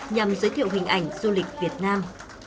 nhằm giới thiệu hình ảnh du lịch việt nam